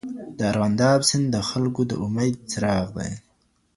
د ارغنداب سیند د خلکو د امید څراغ دی.